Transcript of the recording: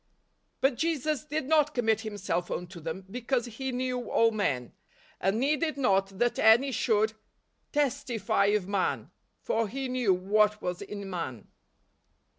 " But Jesus did not commit himself unto them, because he knew all men, And needed not that any should testify of man : for he knew what was in man."